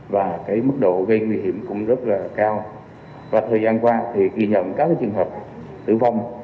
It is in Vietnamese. và mức độ gây nguy hiểm cũng rất là cao và thời gian qua thì ghi nhận các trường hợp tử vong